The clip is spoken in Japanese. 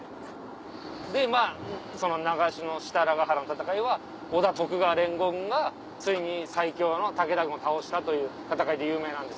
でまぁその長篠・設楽原の戦いは織田・徳川連合軍がついに最強の武田軍を倒したという戦いで有名なんです。